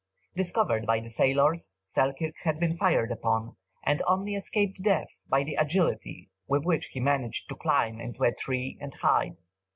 Discovered by the sailors, Selkirk had been fired upon, and only escaped death by the agility with which he managed to climb into a tree and hide.